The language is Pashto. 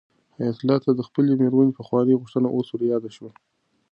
حیات الله ته د خپلې مېرمنې پخوانۍ غوښتنه اوس رایاده شوه.